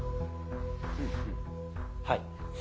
はい。